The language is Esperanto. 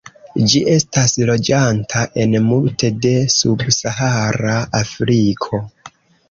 Ĝi estas loĝanta en multe de subsahara Afriko.